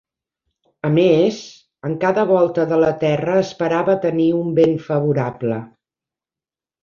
A més, en cada volta de la terra esperava tenir un vent favorable.